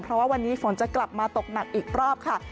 เพราะว่าวันนี้ฝนจะกลับมาตกหนักอีกรอบค่ะ